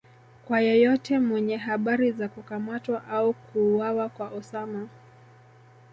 kwa yeyote mwenye habari za kukamatwa au kuuwawa kwa Osama